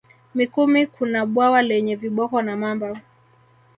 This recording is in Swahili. Mikumi kuna bwawa lenye viboko na mamba